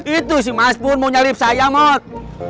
itu si mas pur mau nyelip saya mot